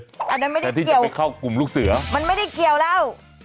อันนั้นไม่ได้เกี่ยวไปเข้ากลุ่มลูกเสือมันไม่ได้เกี่ยวแล้ว